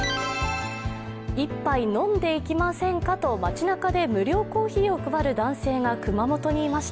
一杯飲んでいきませんかと街なかで無料コーヒーを配る男性が熊本にいました。